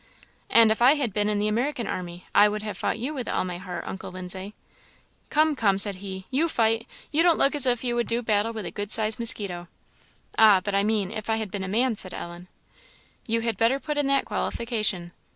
"And if I had been in the American army, I would have fought you with all my heart, Uncle Lindsay." "Come, come," said he laughing; "you fight! you don't look as if you would do battle with a good sized mosquito." "Ah, but I mean, if I had been a man," said Ellen. "You had better put in that qualification.